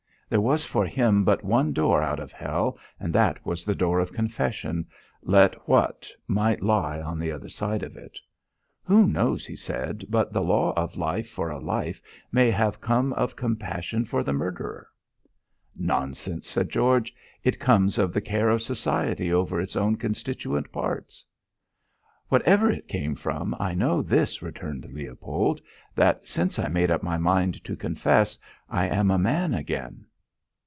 There was for him but one door out of hell, and that was the door of confession let what might lie on the other side of it. "Who knows," he said, "but the law of a life for a life may have come of compassion for the murderer?" "Nonsense!" said George. "It comes of the care of society over its own constituent parts." "Whatever it came from, I know this," returned Leopold, "that, since I made up my mind to confess, I am a man again."